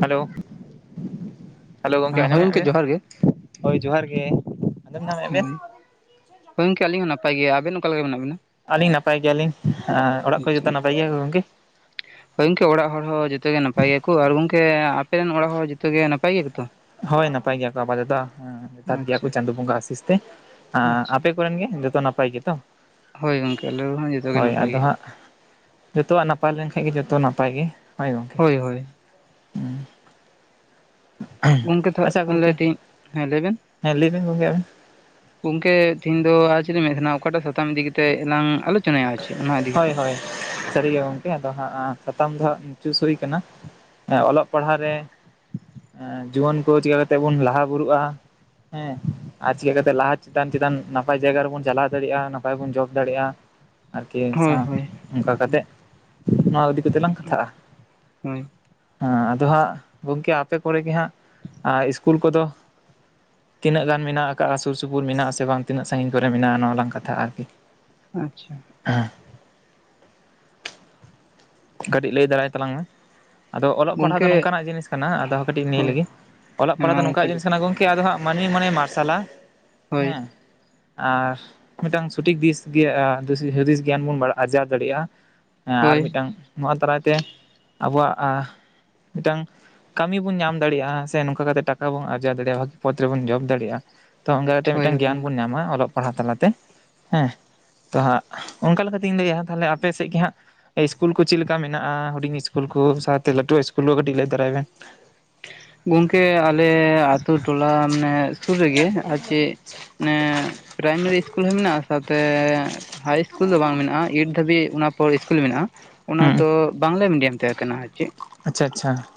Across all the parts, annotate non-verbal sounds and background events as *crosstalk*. Hello, hello ᱜᱚᱝᱠᱮ ᱦᱳᱭ ᱟᱸᱡᱚᱢᱮᱫ ᱵᱮᱱ? ᱡᱚᱦᱟᱨ ᱜᱮ ᱦᱳᱭ, ᱡᱚᱦᱟᱨ ᱜᱮ ᱾ ᱦᱳᱭ, ᱜᱚᱝᱠᱮ ᱟᱹᱞᱤᱧ ᱦᱚᱸ ᱱᱟᱯᱟᱭ ᱜᱮᱭᱟ, ᱟᱵᱮᱱ ᱚᱠᱟ ᱞᱮᱠᱟ ᱢᱮᱱᱟᱜ ᱵᱮᱱᱟ? ᱟᱹᱞᱤᱧ ᱱᱟᱯᱟᱭ ᱜᱮᱭᱟᱞᱤᱧ ᱟ ᱚᱲᱟᱜ ᱠᱚ ᱡᱚᱛᱚ ᱟᱪᱪᱷᱟ ᱱᱟᱯᱟᱭ ᱜᱮᱭᱟ ᱠᱚ ᱜᱚᱝᱠᱮ ᱾ ᱦᱳᱭ ᱜᱚᱝᱠᱮ ᱚᱲᱟᱜ ᱦᱚᱲᱦᱚ ᱡᱚᱛᱚ ᱜᱮ ᱱᱟᱯᱟᱭ ᱜᱮᱭᱟᱠᱚ ᱟᱨ ᱜᱚᱝᱠᱮ ᱟᱯᱮᱨᱮ ᱨᱮᱱ ᱚᱲᱟᱜ ᱦᱚᱲ ᱡᱚᱛᱚ ᱜᱮ ᱱᱟᱯᱟᱭ ᱜᱮᱭᱟᱠᱚᱛᱚ? ᱦᱳᱭ ᱱᱟᱯᱟᱭ ᱜᱮᱭᱟ ᱠᱚ ᱟᱯᱟᱫᱚᱛᱚ ᱡᱚᱛᱷᱟᱛ ᱜᱮᱭᱟ ᱠᱚ ᱟᱪᱪᱷᱟ ᱪᱟᱸᱫᱳ ᱵᱚᱸᱜᱟ ᱟᱥᱤᱥ ᱛᱮ ᱾ ᱟᱸ, ᱟᱪᱪᱷᱟ ᱟᱯᱮ ᱠᱚᱨᱮᱱ ᱜᱮ ᱡᱚᱛᱚ ᱱᱟᱯᱟᱭ ᱜᱮᱛᱚ? ᱦᱳᱭ ᱜᱚᱝᱠᱮ ᱟᱞᱮ ᱦᱚᱸ ᱡᱚᱛᱚ ᱜᱮ ᱦᱳᱭ, ᱱᱟᱯᱟᱭ ᱟᱫᱚ ᱜᱮ ᱦᱟᱸᱜ ᱡᱚᱛᱚᱣᱟᱜ ᱱᱟᱯᱟᱭ ᱞᱮᱱᱠᱷᱟᱡ ᱜᱮ ᱡᱚᱛᱚ ᱱᱟᱯᱟᱭ ᱜᱮ ᱾ ᱦᱳᱭ ᱦᱳᱭ ᱾ ᱜᱚᱝᱠᱮ ᱛᱟ ᱟᱪᱪᱷᱟ ᱜᱚᱝᱠᱮ ᱞᱟᱹᱭ ᱛᱟᱦᱮᱸ, ᱞᱟᱹᱭ ᱵᱮᱱ ᱾ ᱦᱮᱸ ᱞᱟᱹᱭ ᱵᱮᱱ ᱜᱚᱝᱠᱮ ᱟᱵᱮᱱ ᱜᱚᱝᱠᱮ ᱛᱮᱤᱦᱤᱧ ᱫᱚ ᱟᱨ ᱪᱮᱫ ᱞᱧ ᱜᱚᱢᱠᱮ ᱛᱮ, ᱹᱦᱮᱹᱧ ᱫᱚ ᱪᱮᱫ ᱵᱮᱱ ᱢᱮᱱᱟ ᱚᱠᱟᱴᱟᱜ ᱥᱟᱛᱟᱢ ᱤᱫᱤ ᱠᱟᱛᱮ ᱞᱟᱝ ᱟᱞᱳᱪᱚᱱᱟᱭᱟ ᱟᱨ ᱪᱮᱫ, ᱚᱱᱟ ᱤᱫᱤ ᱠᱟᱛᱮ? ᱴᱷᱚᱲᱚᱝᱻᱻᱥᱟᱹᱨᱤᱜᱮ ᱜᱚᱝᱠᱮ ᱟᱫᱚ ᱦᱟᱸᱜ ᱥᱟᱛᱟᱢ ᱫᱚ ᱦᱟᱸᱜ ᱪᱩᱥ ᱦᱳᱭ ᱠᱟᱱᱟ ᱾ ᱮ, ᱚᱞᱚᱜ ᱯᱟᱲᱦᱟᱜ ᱨᱮ ᱡᱩᱣᱟᱹᱱ ᱠᱚ ᱪᱤᱠᱟᱹ ᱠᱟᱛᱮ ᱵᱚᱱ ᱞᱟᱦᱟ ᱵᱩᱨᱩᱜᱼᱟ ᱾ ᱦᱮᱸ ᱥ-ᱥ-ᱥ-ᱥᱤᱡ ᱾ ᱟᱨ ᱪᱤᱠᱟᱹᱠᱟᱛᱮ ᱞᱟᱦᱟ ᱪᱮᱛᱟᱱ ᱪᱮᱛᱟᱱ ᱱᱟᱯᱟᱭ ᱡᱟᱭᱜᱟ ᱨᱮᱵᱚᱱ ᱪᱟᱞᱟᱣ ᱫᱟᱲᱮᱭᱟᱜᱼᱟ ᱱᱟᱯᱟᱭ ᱵᱚᱱ ᱡᱚᱵ ᱫᱟᱲᱮᱭᱟᱜᱼᱟ ᱾ ᱠᱮ ᱦᱳᱭ ᱥᱟᱶ ᱦᱳᱭ ᱚᱱᱠᱟ ᱠᱟᱛᱮ ᱱᱚᱣᱟ ᱤᱫᱤ ᱠᱟᱛᱮ ᱞᱟᱝ ᱠᱟᱛᱷᱟᱜᱼᱟ ᱾ ᱦᱳᱭ ᱮᱸ ᱟᱫᱚ ᱦᱟᱸᱜ ᱜᱚᱝᱠᱮ ᱟᱯᱮ ᱠᱚᱨᱮ ᱜᱮ ᱦᱟᱸᱜ ᱤᱥᱠᱩᱞ ᱠᱚᱫᱚ ᱛᱤᱱᱟᱹᱜ ᱜᱟᱱ ᱢᱮᱱᱟᱜ ᱟᱠᱟᱜᱼᱟ ᱥᱩᱨ ᱥᱩᱯᱩᱨ ᱢᱮᱱᱟᱜ ᱟᱥᱮ ᱵᱟᱝ ᱛᱤᱱᱟᱹᱜ ᱥᱟᱺᱜᱤᱧ ᱠᱚᱨᱮ ᱢᱮᱱᱟᱜᱼᱟ ᱱᱚᱣᱟ ᱞᱟᱝ ᱠᱟᱛᱷᱟ ᱟᱨᱠᱤ ᱾ ᱟᱪ-ᱪᱷᱟ ᱾ ᱟᱦ ᱾ ᱠᱟᱹᱴᱤᱡ ᱞᱟᱹᱭ ᱫᱟᱨᱟᱭ ᱛᱟᱞᱟᱝ ᱢᱮ ᱾ ᱟᱫᱚ ᱚᱞᱚᱜ ᱯᱟᱲᱦᱟᱜ ᱫᱚ ᱜᱚᱝᱠᱮ ᱱᱚᱝᱠᱟᱱᱟᱜ ᱡᱤᱱᱤᱥ ᱠᱟᱱᱟ ᱟᱫᱚ ᱠᱟᱹᱴᱤᱡ ᱤᱧ ᱞᱟᱹᱭ ᱦᱳᱭ ᱞᱮᱜᱮ, ᱚᱞᱚᱜ ᱦᱮᱸ ᱯᱟᱲᱦᱟᱜ ᱫᱚ ᱢᱟ ᱜᱚᱝᱠᱮ ᱱᱚᱝᱠᱟᱱᱟᱜ ᱞᱟᱹᱭ ᱡᱤᱱᱤᱥ ᱠᱟᱱᱟ ᱜᱚᱝᱠ ᱠᱮ ᱟᱫᱚ ᱦᱟᱸᱜ ᱢᱟᱹᱱᱢᱤ ᱢᱚᱱᱮᱭ ᱢᱟᱨᱥᱟᱞᱟ ᱦᱳᱭ ᱦᱮᱸ ᱾ ᱟᱨ ᱢᱤᱫᱴᱟᱝ ᱥᱚᱴᱷᱤᱠ ᱫᱤᱥ ᱜᱮ ᱫᱤᱥ ᱦᱩᱫᱤᱥ ᱜᱮᱭᱟᱱ ᱵᱚᱱ ᱦᱟ-ᱟᱨᱡᱟᱣ ᱫᱟᱲᱮᱭᱟᱜᱼᱟ ᱾ ᱟᱨ ᱦᱳᱭ ᱢᱤᱫᱴᱟᱝ ᱱᱚᱣᱟ ᱫᱟᱨᱟᱭ ᱛᱮ ᱟᱵᱚᱣᱟᱜ ᱟ ᱟ -ᱢᱤᱫᱴᱟᱝ ᱠᱟᱹᱢᱤ ᱵᱚᱱ ᱧᱟᱢ ᱫᱟᱲᱮᱭᱟᱜᱼᱟ ᱥᱮ ᱱᱚᱝᱠᱟ ᱠᱟᱛᱮ ᱴᱟᱠᱟ ᱵᱚᱱ ᱟᱨᱡᱟᱣ ᱫᱟᱲᱮᱭᱟᱜᱼᱟ ᱵᱷᱟᱹᱜᱤ ᱯᱚᱛᱷ ᱨᱮᱵᱚᱱ ᱡᱚᱵ ᱫᱟᱲᱮᱭᱟᱜᱼᱟ ᱾ ᱛᱚ ᱚᱱᱠᱟ ᱠᱟᱛᱮ ᱦᱳᱭ ᱢᱤᱫᱴᱟᱱ ᱜᱮᱭᱟᱱ ᱜᱚᱝᱠᱮ ᱵᱚᱱ ᱧᱟᱢᱟ ᱚᱞᱚᱜ ᱯᱟᱲᱦᱟᱜ ᱛᱟᱞᱟ ᱛᱮ, ᱦᱮᱸ ᱾ ᱛᱚ ᱦᱟᱸᱜ, ᱚᱱᱠᱟ ᱞᱮᱠᱟᱛᱮᱧ ᱞᱟᱹᱭᱟᱼᱟ, ᱛᱟᱞᱦᱮ ᱟᱯᱮ ᱥᱮᱫ ᱜᱮ ᱦᱟᱸᱜ ᱤᱥᱠᱩᱞ ᱠᱚ ᱪᱮᱫ ᱞᱮᱠᱟ ᱢᱮᱱᱟᱜᱼᱟ ᱦᱩᱰᱤᱧ ᱤᱥᱠᱩᱞ ᱠᱚ ᱥᱟᱶᱛᱮ ᱞᱟᱹᱴᱩ ᱤᱥᱠᱩᱞ ᱠᱚ ᱠᱟᱹᱴᱤᱡ ᱞᱟᱹᱭ ᱛᱟᱨᱟᱭ ᱵᱮᱱ? ᱜᱚᱝᱠᱮ ᱟᱞᱮ ᱟᱹᱛᱩ ᱴᱚᱞᱟ ᱢᱟᱱᱮ ᱥᱩᱨ ᱨᱮᱜᱮ ᱟᱨ ᱪᱮᱫ ᱢᱟᱱᱮ ᱯᱟᱨᱟᱭᱢᱮᱨᱤ ᱤᱥᱠᱩᱞ ᱦᱚᱸ ᱢᱮᱱᱟᱜᱼᱟ ᱥᱟᱶᱛᱮ ᱦᱟᱭ ᱤᱥᱠᱩᱞ ᱫᱚ ᱵᱟᱝ ᱢᱮᱱᱟᱜᱼᱟ ᱮᱭᱤᱴ ᱫᱷᱟᱹᱵᱤᱡ ᱚᱱᱟ ᱯᱚᱨ ᱤᱥᱠᱩᱞ ᱢᱮᱱᱟᱜᱼᱟ ᱾ ᱚᱱᱟ ᱦᱩᱸ ᱫᱚ ᱵᱟᱝᱞᱟ ᱢᱤᱰᱤᱭᱟᱢ ᱛᱟᱦᱮᱸ ᱠᱟᱱᱟ ᱟᱨ ᱪᱮᱫ? ᱟᱪᱪᱷᱟ ᱟᱪᱪᱷᱟ ᱾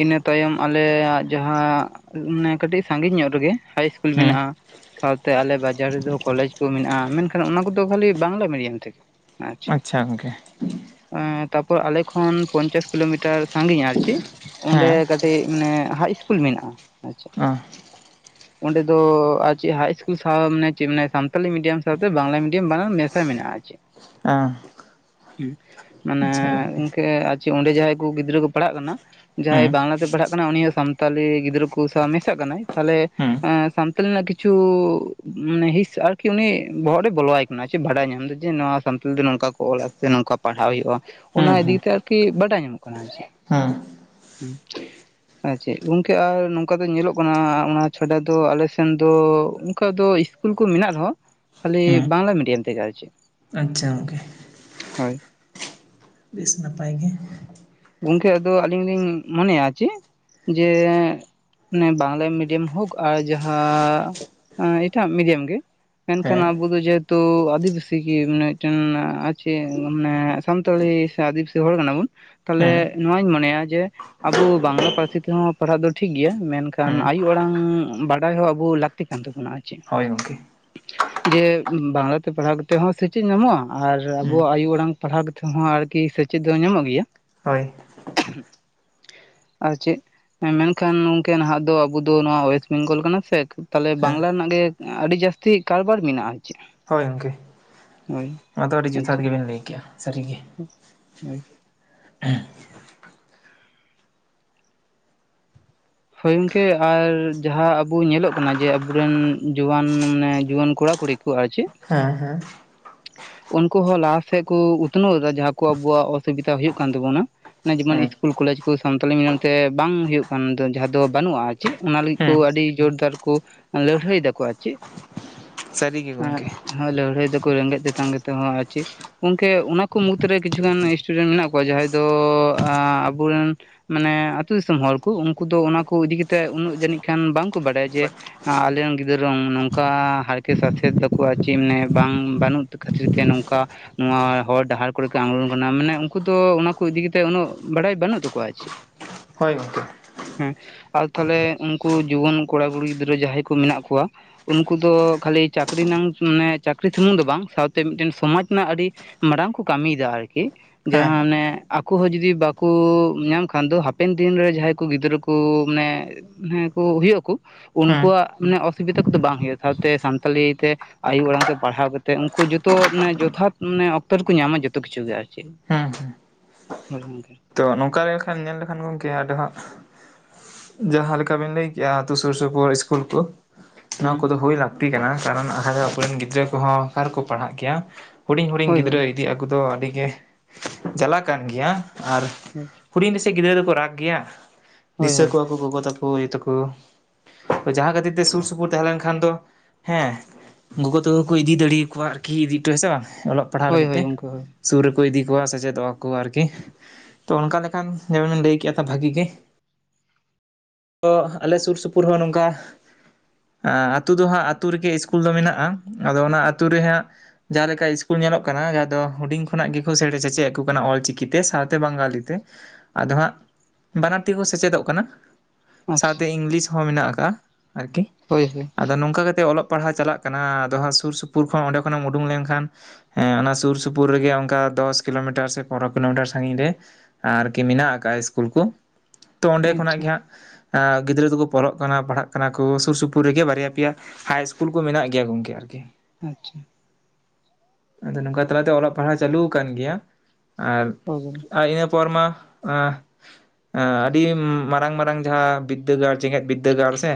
ᱤᱱᱟᱹ ᱛᱟᱭᱚᱢ ᱟᱞᱮᱭᱟᱜ ᱡᱟᱦᱟᱸ ᱮ ᱢᱟᱱᱮ ᱠᱟᱹᱴᱤᱡ ᱥᱟᱸᱜᱤᱧ ᱧᱚᱜ ᱨᱮᱜᱮ ᱦᱟᱭ ᱤᱥᱠᱩᱞ ᱦᱩᱸ ᱢᱮᱱᱟᱜᱼᱟ ᱾ ᱥᱟᱶᱛᱮ ᱟᱞᱮ ᱵᱟᱡᱟᱨ ᱨᱮᱫᱚ ᱠᱚᱞᱮᱡᱽ ᱠᱚ ᱢᱮᱱᱟᱜᱼᱟ, ᱢᱮᱱᱠᱷᱟᱱ ᱚᱱᱟ ᱠᱚᱫᱚ ᱠᱷᱟᱹᱞᱤ ᱵᱟᱝᱞᱟ ᱢᱤᱰᱤᱭᱟᱢ ᱛᱮᱜᱮ ᱾ ᱟᱪᱪᱷᱟ ᱾ ᱛᱟᱯᱚᱨ ᱟᱞᱮ ᱠᱷᱚᱱ ᱯᱚᱧᱪᱟᱥ ᱠᱤᱞᱳᱢᱤᱴᱟᱨ ᱥᱟᱸᱜᱤᱧᱟ ᱟᱨ ᱪᱤ ᱚᱸᱰᱮ ᱦᱮᱸ ᱠᱟᱹᱴᱤᱡ ᱢᱟᱱᱮ ᱦᱟᱭ ᱤᱥᱠᱩᱞ ᱢᱮᱱᱟᱜᱼᱟ ᱟᱪᱪᱷᱟ ᱾ *unintelligible* *unintelligible* ᱚᱸᱰᱮ ᱫᱚ ᱟᱨ ᱪᱮᱫ ᱦᱟᱭ ᱤᱥᱠᱩᱞ ᱥᱟᱶ ᱢᱟᱱᱮ ᱪᱮᱫ ᱢᱟᱱᱮ ᱥᱟᱱᱛᱟᱞᱤ ᱢᱤᱰᱤᱭᱟᱢ ᱥᱟᱶᱛᱮ ᱵᱟᱝᱞᱟ ᱢᱤᱰᱤᱭᱟᱢ ᱵᱟᱱᱟᱨ ᱢᱮᱥ ᱢᱮᱱᱟᱜᱼᱟ ᱟᱨ ᱪᱮᱫ ᱾ ᱮᱸᱦ ᱾ ᱢᱟᱱᱮ ᱜᱚᱝᱠᱮ ᱚᱸᱰᱮ ᱡᱟᱦᱟᱸᱭ ᱠᱚ ᱜᱤᱫᱽᱨᱟᱹ ᱠᱚ ᱯᱟᱲᱦᱟᱜ ᱠᱟᱱᱟ᱾ ᱦᱩᱸ ᱡᱟᱦᱟᱸᱭ ᱵᱟᱝᱞᱟᱛᱮ ᱯᱟᱲᱦᱟᱜ ᱠᱟᱱᱟᱲ ᱩᱱᱤ ᱦᱚᱸ ᱥᱟᱱᱛᱟᱞᱤ ᱜᱤᱫᱽᱨᱟᱹ ᱠᱚ ᱥᱟᱶ ᱢᱮᱥᱟᱜ ᱠᱟᱱᱟᱭ ᱾ ᱛᱟᱦᱚᱞᱮ ᱦᱩᱸ ᱮᱸᱥᱟᱱ ᱨᱮᱱᱟᱜ ᱠᱤᱪᱷᱩ ᱦᱤᱸᱥ ᱟᱨᱠᱤ ᱩᱱᱤ ᱵᱚᱦᱚᱜ ᱨᱮ ᱵᱚᱞᱚᱣᱟᱭ ᱠᱟᱱᱟ, ᱵᱟᱰᱟᱭ ᱧᱟᱢ ᱮᱫᱟ ᱡᱮ ᱱᱚᱣᱟ᱾ ᱥᱟᱱᱛᱷᱟᱞᱤ ᱛᱮ ᱱᱚᱝᱠᱟ ᱠᱚ ᱚᱞᱟ ᱥᱮ ᱱᱚᱝᱠᱟ ᱯᱟᱲᱦᱟᱣ ᱦᱩᱭᱩᱜᱼᱟ ᱚᱱᱟ ᱤᱫᱤ ᱠᱟᱛᱮ ᱟᱨᱠᱤ ᱵᱟᱰᱟᱭ ᱧᱟᱢᱚᱜ ᱠᱟᱱᱟ᱾ ᱦᱮᱸ ᱾ *inaudible* ᱟᱨ ᱪᱮᱫ ᱜᱚᱝᱠᱮ ᱟᱨ ᱱᱚᱝᱠᱟ ᱫᱚ ᱧᱮᱞᱚᱜ ᱠᱟᱱᱟ ᱚᱱᱟ ᱪᱷᱟᱰᱟ ᱫᱚ ᱟᱞᱮ ᱥᱮᱱ ᱫᱚ ᱚᱱᱠᱟ ᱫᱚ ᱤᱥ ᱤᱥᱠᱩᱞ ᱠᱚ ᱢᱮᱱᱟᱜ ᱨᱮᱦᱚᱸ ᱠᱷᱟᱹᱞᱤ ᱦᱩᱸ ᱵᱟᱝᱞᱟ ᱢᱤᱰᱤᱭᱟᱢ ᱛᱮᱜᱮ ᱟᱨ ᱪᱮᱫ ᱟᱪᱪᱷᱟ ᱜᱚᱝᱠᱮ ᱦᱳᱭ ᱾ ᱵᱮᱥ ᱱᱟᱯᱟᱭ ᱜᱮ ᱾ ᱜᱚᱝᱠᱮ ᱟᱫᱚ ᱟᱹᱞᱤᱧ ᱞᱤᱧ ᱢᱚᱱᱮᱭᱟ ᱪᱮᱫ ᱡᱮ ᱢᱟᱱᱮ ᱵᱟᱝᱞᱟ ᱢᱤᱰᱤᱭᱟᱢ ᱦᱳᱠ ᱟᱨ ᱡᱟᱦᱟᱸ ᱮᱸ ᱮᱴᱟᱜ ᱢᱤᱰᱤᱭᱟᱢ ᱜᱮ ᱢᱮᱱᱠᱷᱟᱱ ᱦᱮᱸ ᱟᱵᱚ ᱫᱚ ᱡᱟᱹᱛ ᱛᱚ ᱟᱹᱫᱤᱵᱟᱹᱥᱤ ᱜᱮ ᱢᱟᱱᱮ ᱢᱤᱫᱴᱮᱱ ᱟᱨ ᱪᱮᱫ ᱢᱟᱱᱮ ᱥᱟᱱᱛᱟᱲᱤ ᱥᱮ ᱟᱹᱫᱤᱵᱟᱹᱥᱤ ᱦᱚᱲ ᱠᱟᱱᱟ ᱵᱚᱱ ᱾ ᱛᱟᱦᱞᱮ ᱦᱮᱸ ᱱᱚᱣᱟᱧ ᱢᱚᱱᱮᱭᱟ ᱡᱮ ᱟᱵᱚ ᱵᱟᱝᱞᱟ ᱯᱟᱹᱨᱥᱤ ᱛᱮᱦᱚᱸ ᱯᱟᱲᱦᱟᱜ ᱫᱚ ᱴᱷᱤᱠ ᱜᱮᱭᱟ ᱢᱮᱱᱠᱷᱟᱱ ᱦᱮᱸ ᱟᱭᱩ ᱟᱲᱟᱝ ᱵᱟᱰᱟᱭ ᱦᱚᱸ ᱟᱵᱚ ᱞᱟᱹᱠᱛᱤ ᱠᱟᱱ ᱛᱟᱵᱚᱱᱟ ᱾ ᱦᱳᱭ ᱜᱚᱝᱠᱮ ᱾ ᱡᱮ ᱵᱟᱝᱞᱟᱛᱮ ᱯᱟᱲᱦᱟᱣ ᱠᱟᱛᱮ ᱦᱚᱸ ᱥᱮᱪᱮᱫ ᱧᱟᱢᱚᱜᱼᱟ ᱟᱨ ᱦᱩᱸ ᱟᱵᱚᱣᱟᱜ ᱟᱭᱳ ᱟᱲᱟᱝ ᱯᱟᱲᱦᱟᱣ ᱠᱟᱛ ᱱᱤᱛᱚᱜ ᱦᱚᱸ ᱟᱨᱠᱤ ᱥᱮᱪᱮᱫ ᱫᱚ ᱧᱟᱢᱚᱜ ᱜᱮᱭᱟ᱾ ᱦᱚᱭ᱾ ᱟᱨ ᱪᱮᱫ? ᱦᱮᱸ ᱢᱮᱱᱠᱷᱟᱱ ᱱᱚᱝᱠᱟ ᱱᱟᱦᱟᱸᱜ ᱫᱚ ᱟᱵᱚ ᱫᱚ ᱱᱚᱣᱟ ᱣᱮᱥ ᱵᱮᱝᱜᱚᱞ ᱠᱟᱱᱟ ᱥᱮ ᱛᱟᱦᱚᱞᱮ ᱦᱮᱸ ᱵᱟᱝᱞᱟ ᱨᱮᱱᱟᱜ ᱜᱮ ᱟᱹᱰᱤ ᱡᱟᱹᱥᱛᱤ ᱠᱟᱨᱵᱟᱨ ᱢᱮᱱᱟᱜᱼᱟ᱾ ᱪᱮᱫ ᱦᱳᱭ ᱜᱚᱢᱠᱮ ᱦᱳᱭ ᱱᱚᱣᱟ ᱫᱚ ᱟᱹᱰᱤ ᱡᱚᱛᱷᱟᱛ ᱟᱪᱪᱷᱟ ᱜᱮᱵᱮᱱ ᱞᱟᱹᱭ ᱠᱮᱜᱼᱟ ᱥᱟᱹᱨᱤᱜᱮ᱾ ᱦᱳᱭ ᱦᱮᱸ *unintelligible* ᱦᱳᱭ ᱜᱚᱢᱠᱮ ᱟᱨ ᱡᱟᱦᱟᱸ ᱟᱵᱩ ᱧᱮᱞᱚᱜ ᱠᱟᱱᱟ ᱡᱮ ᱟᱵᱚᱨᱮᱱ ᱡᱩᱣᱟᱱ ᱡᱩᱣᱟᱹᱱ ᱠᱚᱲᱟ ᱠᱩᱲᱤ ᱠᱚ ᱟᱨ ᱪᱮᱫ? ᱦᱮᱸ ᱦᱮᱸ᱾ ᱩᱱᱠᱩ ᱦᱚᱸ ᱞᱟᱦᱟᱥᱮᱫ ᱠᱚ ᱩᱛᱱᱟᱹᱣ ᱮᱫᱟ ᱡᱟᱦᱟᱸ ᱠᱚ ᱟᱵᱚᱣᱟᱜ ᱚᱥᱩᱵᱤᱫᱟ ᱦᱩᱭᱩᱜ ᱠᱟᱱ ᱛᱟᱵᱚᱱᱟ᱾ ᱢᱟᱱᱮ ᱡᱮᱢᱚᱱ ᱦᱮᱸ ᱤᱥᱠᱩᱞ ᱠᱚᱞᱮᱡᱽ ᱠᱚ ᱥᱟᱱᱛᱟᱞᱤ ᱢᱤᱰᱤᱭᱟᱢ ᱛᱮ ᱵᱟᱝ ᱦᱩᱭᱩᱜ ᱠᱟᱱ ᱫᱚ᱾ ᱡᱟᱦᱟᱸ ᱫᱚ ᱵᱟᱹᱱᱩᱜᱼᱟ ᱟᱨ ᱪᱮᱫ ᱚᱱᱟ ᱞᱟᱹᱜᱤᱫ ᱠᱚ ᱦᱮᱸ ᱟᱹᱰᱤ ᱡᱳᱨᱫᱟᱨ ᱠᱚ ᱞᱟᱹᱲᱦᱟᱹᱭ ᱫᱟᱠᱚ ᱟᱨ ᱪᱮᱫ? ᱥᱟᱹᱨᱤᱜᱮ ᱜᱚᱝᱠᱮ ᱦᱮᱸ ᱞᱟᱹᱲᱦᱟᱹᱭ ᱫᱚᱠᱚ ᱨᱮᱸᱜᱮᱡ ᱛᱮᱛᱟᱝ ᱜᱮᱛᱮ ᱦᱚᱸ ᱟᱨ ᱪᱮᱫ᱾ ᱜᱚᱝᱠᱮ ᱚᱱᱟ ᱠᱚ ᱢᱩᱫᱽᱨᱮ ᱠᱤᱪᱷᱩᱜᱟᱱ ᱥᱴᱩᱰᱮᱱᱴ ᱢᱮᱱᱟᱜ ᱠᱚᱣᱟ ᱡᱟᱦᱟᱸᱭ ᱫᱚᱻ ᱟᱻ ᱟᱵᱚᱨᱮᱱ ᱢᱟᱱᱮ ᱟᱹᱛᱩ ᱫᱤᱥᱚᱢ ᱦᱚᱲ ᱠᱚ ᱩᱱᱠᱩ ᱫᱚ ᱚᱱᱟ ᱠᱚ ᱤᱫᱤ ᱠᱟᱛᱮᱫ ᱩᱱᱟᱹᱜ ᱡᱟᱹᱱᱤᱡ ᱠᱷᱟᱱ ᱵᱟᱝᱠᱚ ᱵᱟᱲᱟᱭᱟ ᱡᱮ ᱟᱞᱮᱨᱮᱱ ᱜᱤᱫᱽᱨᱟᱹ ᱱᱚᱝᱠᱟ ᱦᱟᱨᱠᱮᱫ ᱥᱟᱥᱮᱫ ᱫᱟᱠᱚ ᱟᱨ ᱪᱮᱜ ᱢᱟᱱᱮ ᱵᱟᱝ ᱵᱟᱹᱱᱩᱜ ᱠᱷᱟᱹᱛᱤᱨ ᱛᱮ ᱱᱚᱝᱠᱟ ᱱᱚᱣᱟ ᱦᱚᱨ ᱰᱟᱦᱟᱨ ᱠᱚᱨᱮ ᱠᱚ ᱟᱬᱜᱚᱱ ᱠᱟᱱᱟ ᱢᱟᱱᱮ ᱩᱱᱠᱩ ᱫᱚ ᱚᱱᱟᱠᱩ ᱤᱫᱤ ᱠᱟᱛᱮ ᱩᱱᱟᱹᱜ ᱵᱟᱲᱟᱭ ᱵᱟᱹᱱᱩᱜ ᱛᱟᱠᱚᱣᱟ ᱟᱪᱮ᱾ ᱦᱚᱭ ᱜᱚᱝᱠᱮ᱾ ᱦᱮᱸ ᱟᱨ ᱛᱟᱦᱞᱮ ᱩᱱᱠᱩ ᱡᱩᱣᱟᱹᱱ ᱠᱚᱲᱟ- ᱠᱩᱲᱤ ᱜᱤᱫᱽᱨᱟᱹ ᱡᱟᱦᱟᱸᱭ ᱠᱚ ᱢᱮᱱᱟᱜ ᱠᱚᱣᱟ, ᱩᱱᱠᱩ ᱫᱚ ᱠᱷᱟᱹᱞᱤ ᱪᱟᱠᱨᱤ ᱱᱟᱝ ᱢᱟᱱᱮ ᱪᱟᱠᱨᱤ ᱥᱩᱢᱩᱝ ᱫᱚ ᱵᱟᱝ ᱥᱟᱶᱛᱮ ᱢᱤᱫᱴᱮᱱ ᱥᱚᱢᱟᱡᱽ ᱨᱮᱱᱟᱜ ᱟᱹᱰᱤ ᱢᱟᱲᱟᱝ ᱠᱚ ᱠᱟᱹᱢᱤᱭᱮᱫᱟ ᱟᱨᱠᱤ᱾ ᱦᱮᱸ ᱡᱟᱦᱟᱸ ᱦᱮᱸ ᱟᱱᱮ ᱟᱠᱚ ᱦᱚᱸ ᱡᱩᱫᱤ ᱵᱟᱠᱚ ᱧᱟᱢ ᱠᱷᱟᱱ ᱫᱚ ᱦᱟᱯᱮᱱ ᱫᱤᱱᱨᱮ ᱡᱟᱦᱥᱭ ᱠᱩ ᱜᱤᱫᱽᱨᱟᱹ ᱠᱩ ᱢᱟᱱᱮ ᱦᱮᱸ ᱠᱩ ᱦᱩᱭᱩᱜ ᱟᱠᱩ, ᱦᱮᱸ ᱩᱱᱠᱩᱣᱟᱜ ᱢᱟᱱᱮ ᱚᱥᱩᱵᱤᱫᱟ ᱠᱚᱫᱚ ᱵᱟᱝ ᱦᱳᱭᱼᱟ ᱥᱟᱶᱛᱮ ᱥᱟᱱᱛᱟᱞᱤ ᱛᱮ ᱟᱭᱳ ᱟᱲᱟᱝ ᱛᱮ ᱯᱟᱲᱦᱟᱣ ᱠᱟᱛᱮᱜ ᱩᱝᱠᱩ ᱡᱚᱛᱚ ᱢᱟᱱᱮ ᱡᱚᱛᱷᱟᱛ ᱢᱟᱱᱮ ᱚᱠᱛᱚ ᱨᱮᱠᱚ ᱧᱟᱢᱟ ᱡᱚᱛᱚ ᱠᱤᱪᱷᱩ ᱜᱮ ᱟᱨ ᱪᱮᱫ᱾ ᱦᱮᱸ ᱦᱮᱸ ᱦᱳᱭ ᱜᱚᱢᱠᱮ᱾ ᱛᱚ ᱱᱚᱝᱠᱟ ᱞᱮᱱ ᱠᱷᱟᱱ ᱧᱮᱞ ᱞᱮᱠᱷᱟᱱ ᱜᱚᱝᱠᱮ ᱟᱫᱚ ᱦᱟᱸᱜ ᱡᱟᱦᱟᱸ ᱞᱮᱠᱟ ᱵᱤᱱ ᱞᱟᱹᱭ ᱠᱮᱜᱼᱟ ᱟᱛᱳ ᱥᱩᱨᱼᱥᱩᱯᱩᱨ ᱤᱥᱠᱩᱞ ᱠᱚ, ᱱᱚᱣᱟ ᱦᱮᱸ ᱠᱚᱫᱚ ᱦᱩᱭ ᱞᱟᱹᱠᱛᱤ ᱠᱟᱱᱟ ᱠᱟᱨᱚᱱ ᱟᱨᱦᱚᱸ ᱚᱠᱚᱭᱨᱮᱱ ᱜᱤᱫᱽᱨᱟᱹ ᱠᱚᱦᱚᱸ ᱚᱠᱟ ᱨᱮᱠᱚ ᱯᱟᱲᱦᱟᱜ ᱜᱮᱭᱟ ᱦᱩᱰᱤᱧ ᱦᱩᱰᱤᱧ ᱦᱳᱭ ᱜᱤᱫᱽᱨᱟᱹ ᱦᱳᱭ ᱤᱫᱤ ᱟᱹᱜᱩ ᱫᱚ ᱟᱹᱰᱤ ᱜᱮ ᱡᱟᱞᱟ ᱠᱟᱱ ᱜᱮᱭᱟ, ᱟᱨ *unintelligible* ᱦᱩᱲᱤᱧ ᱨᱮᱥᱮ ᱜᱤᱫᱽᱨᱟᱹ ᱫᱚᱠᱚ ᱨᱟᱜ ᱜᱮᱭᱟ, ᱫᱤᱥᱟᱹ ᱦᱳᱭ ᱠᱚᱣᱟ ᱠᱚ ᱜᱚᱜᱚ ᱛᱟᱠᱚ ᱭᱩ ᱛᱟᱠᱚ ᱡᱟᱦᱟᱸ ᱠᱷᱟᱹᱛᱤᱨ ᱛᱮ ᱥᱩᱨ ᱥᱩᱯᱩᱨ ᱛᱟᱦᱮᱸ ᱞᱮᱱᱠᱷᱟᱱ ᱫᱚ ᱦᱮᱸ ᱜᱚᱜᱚ ᱛᱟᱠᱚ ᱠᱚ ᱤᱫᱤ ᱫᱟᱹᱲᱮᱭᱟᱠᱚᱣᱟ ᱟᱨᱠᱤ ᱤᱫᱤ ᱦᱚᱴᱚ ᱦᱮᱸᱥᱮ ᱵᱟᱝ ᱚᱞᱚᱜ ᱯᱟᱲᱦᱟᱣ ᱦᱳᱭ ᱞᱟᱹᱜᱤᱫ ᱦᱳᱭ ᱛᱮ, ᱜᱚᱝᱠᱮ ᱦᱳᱭ ᱥᱩᱨ ᱨᱮᱠᱚ ᱤᱫᱤ ᱠᱚᱣᱟ ᱥᱮᱪᱮᱫᱚᱜ ᱠᱚ ᱟᱨᱠᱤ᱾ ᱛᱚ ᱚᱱᱠᱟ ᱞᱮᱠᱷᱟᱱ ᱡᱮᱢᱚᱱᱤᱧ ᱞᱟᱹᱭ ᱠᱮᱜᱼᱟ ᱠᱟᱛᱷᱟ ᱛᱚ ᱵᱷᱟᱜᱤ ᱜᱮ ᱛᱚ ᱟᱞᱮ ᱥᱩᱨ ᱥᱩᱯᱩᱨ ᱦᱚᱸ ᱱᱚᱝᱠᱟ ᱟᱸ ᱟᱹᱛᱩ ᱫᱚ ᱦᱟᱸᱜ ᱟᱹᱛᱩ ᱨᱮᱜᱮ ᱤᱥᱠᱩᱞ ᱫᱚ ᱢᱮᱱᱟᱜᱼᱟ, ᱟᱫᱚ ᱚᱱᱟ ᱟᱹᱛᱩ ᱨᱮ ᱦᱟᱸᱜ ᱡᱟᱦᱟᱸ ᱞᱮᱠᱟ ᱤᱥᱠᱩᱞ ᱧᱮᱞᱚᱜ ᱠᱟᱱᱟ, ᱡᱟᱦᱟᱸ ᱫᱚ ᱦᱩᱰᱤᱧ ᱠᱷᱚᱱᱟᱜ ᱜᱮᱠᱚ ᱥᱮᱴ ᱥᱮᱪᱮᱜ ᱟᱠᱩ ᱠᱟᱱᱟ ᱚᱞ ᱪᱤᱠᱤ ᱛᱮ ᱥᱟᱶ ᱛᱮ ᱵᱟᱝᱜᱟᱞᱤ ᱛᱮ ᱟᱫᱚ ᱦᱟᱸᱜ ᱵᱟᱱᱟᱨᱛᱤ ᱠᱚ ᱥᱮᱪᱮᱫᱚᱜ ᱠᱟᱱᱟ ᱟᱪᱪᱷᱟ ᱥᱟᱶᱛᱮ ᱤᱝᱞᱤᱥ ᱦᱚᱸ ᱢᱮᱱᱟᱜ ᱠᱟᱜᱼᱟ ᱟᱨᱠᱤ᱾ ᱦᱳᱭ ᱦᱳᱭ᱾ ᱟᱫᱚ ᱱᱚᱝᱠᱟ ᱠᱟᱛᱮᱜ ᱚᱞᱚᱜ ᱯᱟᱲᱦᱟᱣ ᱪᱟᱞᱟᱜ ᱠᱟᱱᱟ, ᱟᱫᱚ ᱦᱟᱸᱜ ᱥᱩᱨ ᱥᱩᱯᱩᱨ ᱠᱷᱚᱱ ᱚᱸᱰᱮ ᱠᱷᱚᱱᱮᱢ ᱩᱰᱩᱝ ᱞᱮᱱᱠᱷᱟᱱ ᱦᱮᱸ ᱚᱱᱟ ᱥᱩᱨ ᱥᱩᱯᱩᱨ ᱨᱮᱜᱮ ᱚᱝᱠᱟ ᱫᱚᱥ ᱠᱤᱞᱳ ᱢᱤᱴᱟᱨ ᱥᱮ ᱯᱚᱱᱰᱨᱚ ᱠᱤᱞᱳ ᱢᱤᱴᱟᱨ ᱥᱟᱺᱜᱤᱧ ᱨᱮ ᱟᱨᱠᱤ ᱢᱮᱱᱟᱜ ᱠᱟᱜᱼᱟ ᱤᱥᱠᱩᱞ ᱠᱚ ᱛᱚ ᱚᱸᱰᱮ ᱠᱷᱚᱱᱟᱜ ᱟᱪᱪᱷᱟ ᱜᱮ ᱦᱟᱸᱜ ᱟᱸ ᱜᱤᱫᱽᱨᱟᱹ ᱫᱚᱠᱚ ᱯᱚᱞᱚᱜ ᱠᱟᱱᱟ ᱯᱟᱲᱦᱟᱜ ᱠᱟᱱᱟ ᱠᱚ ᱥᱩᱨᱼᱥᱩᱯᱩᱨ ᱨᱮᱜᱮ ᱵᱟᱨᱭᱟ ᱯᱮᱭᱟ ᱦᱟᱭ ᱤᱥᱠᱩᱞ ᱠᱚ ᱢᱮᱱᱟᱜ ᱜᱮᱭᱟ ᱜᱚᱝᱠᱮ ᱟᱨᱠᱤ᱾ ᱟᱪᱪᱷᱟ᱾ ᱟᱫᱚ ᱱᱚᱝᱠᱟ ᱛᱟᱞᱟᱛᱮ ᱚᱞᱚᱜ ᱯᱟᱲᱦᱟᱣ ᱪᱟᱹᱞᱩ ᱠᱟᱱ ᱜᱮᱭᱟ ᱟᱨ ᱚ ᱡᱟᱞᱟ᱾ ᱟᱨ ᱤᱱᱟᱹ ᱯᱚᱨ ᱢᱟ ᱟᱸ ᱟᱸ ᱟᱹᱰᱤ ᱢᱟᱨᱟᱝ ᱢᱟᱨᱟᱝ ᱡᱟᱦᱟᱸ ᱵᱤᱫᱽᱫᱟᱹᱜᱟᱲ ᱡᱮᱸᱜᱮᱛ ᱵᱤᱫᱽᱫᱟᱹᱜᱟᱲ ᱥᱮ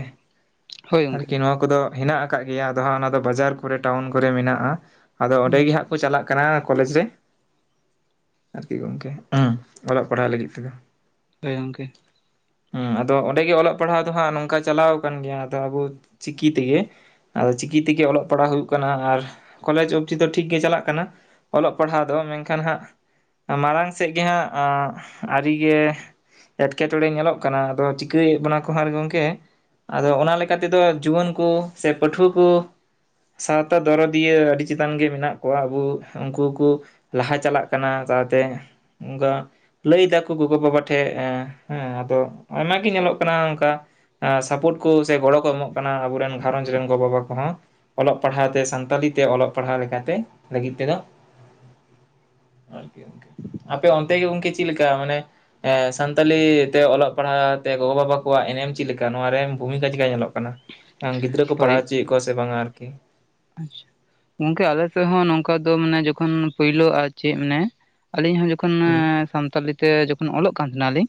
ᱦᱳᱭ ᱜᱚᱝᱠᱮ ᱟᱨᱠᱤ ᱱᱚᱣᱟ ᱠᱚᱫᱚ ᱦᱮᱸᱱᱟᱜ ᱠᱟᱜ ᱜᱮᱭᱟ ᱟᱫᱚ ᱦᱟᱸᱜ ᱚᱱᱟ ᱫᱚ ᱵᱟᱡᱟᱨ ᱠᱚᱨᱮ ᱴᱟᱣᱩᱱ ᱠᱚᱨᱮ ᱢᱮᱱᱟᱜᱼᱟ᱾ ᱟᱫᱚ ᱚᱸᱰᱮ ᱜᱮ ᱦᱟᱸᱜ ᱠᱚ ᱦᱳᱭ ᱪᱟᱞᱟᱜ ᱠᱟᱱᱟ ᱠᱚᱞᱮᱡ ᱨᱮ, ᱦᱮ ᱜᱚᱢᱠᱮ ᱦᱩᱸ ᱚᱞᱚᱜ ᱯᱟᱲᱦᱟᱜ ᱞᱟᱹᱜᱤᱫ ᱛᱮᱫᱚ᱾ ᱦᱮᱸ ᱜᱚᱝᱠᱮ᱾ ᱦᱩᱸ ᱟᱫᱚ ᱚᱸᱰᱮᱜᱮ ᱚᱞᱚᱜ ᱯᱟᱲᱦᱟᱣ ᱫᱚ ᱦᱟᱸᱜ ᱱᱚᱝᱠᱟ ᱪᱟᱞᱟᱣ ᱟᱠᱟᱱ ᱜᱮᱭᱟ ᱟᱫᱚ ᱟᱵᱩ ᱪᱤᱠᱤ ᱛᱮ ᱜᱮᱼᱼ ᱟᱫᱚ ᱪᱤᱠᱤ ᱛᱮᱜᱮ ᱚᱞᱚᱜ ᱯᱟᱲᱦᱟᱜ ᱦᱩᱭᱩᱜ ᱠᱟᱱᱟ ᱟᱨ ᱠᱚᱞᱮᱡᱽ ᱚᱵᱡᱤ ᱫᱚ ᱴᱷᱤᱠ ᱜᱮ ᱪᱟᱞᱟᱜ ᱠᱟᱱᱟ᱾ ᱚᱞᱚᱜ ᱯᱟᱲᱦᱟᱣ ᱫᱚ ᱢᱮᱱᱠᱷᱟᱱ ᱦᱟᱸᱜᱼᱼ ᱢᱟᱲᱟᱝ ᱥᱮᱜ ᱜᱮ ᱦᱟᱸᱜ ᱟᱸᱜ ᱟᱹᱨᱤᱜᱮᱼᱼ ᱮᱴᱠᱮ ᱴᱚᱸᱬᱮ ᱧᱮᱞᱚᱜ ᱠᱟᱱᱟ ᱟᱫᱚ ᱪᱤᱠᱟᱹᱭᱮᱜ ᱵᱚᱱᱟ ᱠᱚ ᱦᱟᱸᱜ ᱜᱚᱝᱠᱮᱼᱼ ᱟᱫᱚ ᱚᱱᱟ ᱞᱮᱠᱟ ᱛᱮᱫᱚ ᱡᱩᱣᱟᱹᱱ ᱠᱚ ᱥᱮ ᱯᱟᱹᱴᱷᱩᱣᱟᱹ ᱠᱚᱼᱼ ᱥᱟᱶᱛᱟ ᱫᱚᱨᱚᱫᱤᱭᱟᱹ ᱟᱹᱰᱤ ᱪᱮᱛᱟᱱ ᱜᱮ ᱢᱮᱱᱟᱜ ᱠᱚᱣᱟ ᱟᱵᱚ ᱩᱱᱠᱩ ᱠᱚᱼᱼ ᱞᱟᱦᱟ ᱪᱟᱞᱟᱜ ᱠᱟᱱᱟ ᱥᱟᱶᱛᱮ ᱚᱱᱠᱟᱼᱼ ᱞᱟᱹᱭ ᱮᱫᱟ ᱠᱚ ᱜᱚᱜᱚ ᱵᱟᱵᱟ ᱴᱷᱮᱜ ᱮᱸ ᱦᱮᱸ ᱟᱫᱚ ᱟᱭᱢᱟ ᱜᱮ ᱧᱮᱞᱚᱜ ᱠᱟᱱᱟ ᱚᱱᱠᱟᱼᱼ ᱟ *unintelligible* ᱥᱟᱯᱚᱨᱴ ᱠᱚ ᱥᱮ ᱜᱚᱲᱚ ᱠᱚ ᱮᱢᱚᱜ ᱠᱟᱱᱟ ᱟᱵᱚᱨᱮᱱ ᱜᱷᱟᱨᱚᱸᱧᱡᱽ ᱨᱮᱱ ᱜᱚ ᱵᱟᱵᱟ ᱠᱚᱦᱚᱸᱼᱼ ᱚᱞᱚᱜ ᱯᱟᱲᱦᱟᱣ ᱛᱮ ᱥᱟᱱᱛᱟᱞᱤ ᱛᱮ ᱚᱞᱚᱜ ᱯᱟᱲᱦᱟᱣ ᱞᱮᱠᱟᱛᱮ ᱞᱟᱹᱜᱤᱫ ᱛᱮᱫᱚᱼᱼ ᱟᱯᱮ ᱚᱱᱛᱮ ᱜᱮ ᱜᱚᱝᱠᱮ ᱪᱮᱜ ᱞᱮᱠᱟ ᱢᱟᱱᱮᱼᱼ ᱮᱻ ᱥᱟᱱᱛᱟᱞᱤ ᱛᱮ ᱚᱞᱚᱜ ᱯᱟᱲᱦᱟᱣ ᱛᱮ ᱜᱚᱜᱚᱼᱵᱟᱵᱟ ᱠᱚᱣᱟᱜ ᱮᱱᱮᱢ ᱪᱮᱜ ᱞᱮᱠᱟ ᱱᱚᱣᱟ ᱨᱮᱢ ᱵᱷᱩᱢᱤᱠᱟ ᱪᱮᱜ ᱠᱟ ᱧᱮᱞᱚᱜ ᱠᱟᱱᱟ? ᱠᱟᱱᱟ᱾ ᱜᱤᱫᱽᱨᱟᱹ ᱠᱚ ᱯᱟᱲᱦᱟᱣ ᱦᱳᱭ ᱦᱚᱪᱚᱭᱮᱜ ᱠᱚᱣᱟ ᱥᱮ ᱵᱟᱝᱼᱟ ᱟᱨᱠᱤᱼᱼ ᱟᱪᱪᱷᱟ ᱜᱚᱝᱠᱮ ᱟᱞᱮᱥᱮᱜ ᱦᱚᱸ ᱱᱚᱝᱠᱟ ᱫᱚ ᱢᱟᱱᱮ ᱡᱚᱠᱷᱚᱱ ᱯᱩᱭᱞᱚ ᱟᱨ ᱪᱮᱜ ᱢᱟᱱᱮ ᱟᱞᱤᱸᱧ ᱦᱚᱸ ᱡᱚ ᱢᱟᱱᱮᱻ ᱦᱩᱸ ᱥᱟᱱᱛᱟᱞᱤ ᱛᱮ ᱡᱚᱠᱷᱚᱱ ᱚᱞᱚᱜ ᱠᱟᱱ ᱛᱟᱦᱮᱸᱱᱟ ᱞᱤᱧ